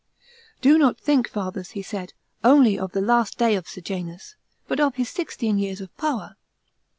"Do not think, fathers," he said, "only of the last day of Sejanus, but of his ^xteen years of power.